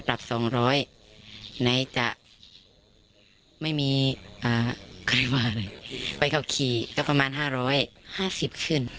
ยังไงครับ